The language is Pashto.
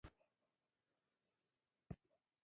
• سترګې د ماشومانو لپاره ځانګړې اهمیت لري.